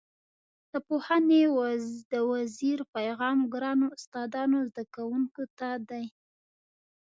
د پوهنې د وزیر پیغام ګرانو استادانو او زده کوونکو ته دی.